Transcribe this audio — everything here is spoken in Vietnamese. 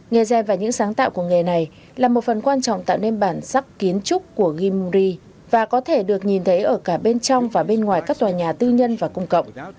nghề gen và những sáng tạo của nghề này là một phần quan trọng tạo nên bản sắc kiến trúc của gyungri và có thể được nhìn thấy ở cả bên trong và bên ngoài các tòa nhà tư nhân và công cộng